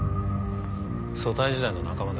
組対時代の仲間だ。